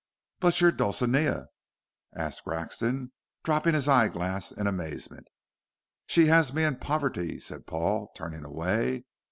"But your Dulcinea?" asked Grexon, dropping his eye glass in amazement. "She has me and poverty," said Paul, turning away.